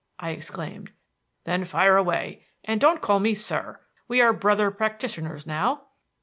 I exclaimed. "Then fire away; and don't call me 'sir.' We are brother practitioners now."